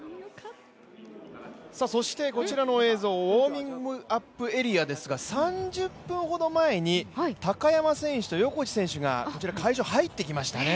そしてこちらの映像、ウォーミングアップエリアですが３０分ほど前に高山選手と横地選手が会場に入ってきましたね。